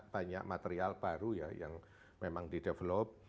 banyak material baru ya yang memang di develop